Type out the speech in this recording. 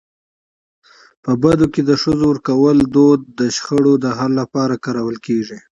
په بدو کي د ښځو ورکولو دود د شخړو د حل لپاره کارول کيږي.